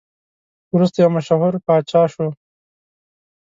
وروسته یو مشهور پاچا شو.